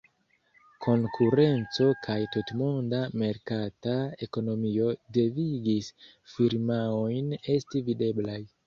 Konkurenco kaj tutmonda merkata ekonomio devigis firmaojn esti videblaj.